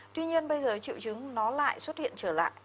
tuy nhiên bây giờ triệu chứng nó lại xuất hiện trở lại